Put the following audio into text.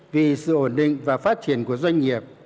vì sự ổn định và phát triển của doanh nghiệp